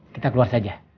kita keluar saja